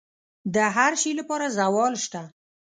د هر شي لپاره زوال شته،